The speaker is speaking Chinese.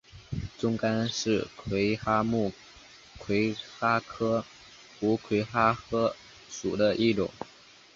棕蚶是魁蛤目魁蛤科胡魁蛤属的一种。